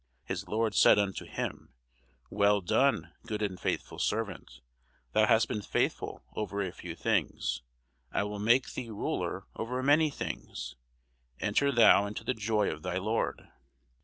His lord said unto him, Well done, good and faithful servant; thou hast been faithful over a few things, I will make thee ruler over many things: enter thou into the joy of thy lord.